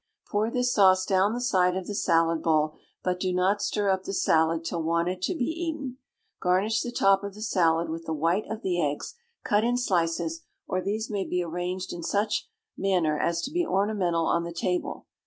Pour this sauce down the side of the salad bowl, but do not stir up the salad till wanted to be eaten. Garnish the top of the salad with the white of the eggs, cut in slices; or these may be arranged in such manner as to be ornamental on the table.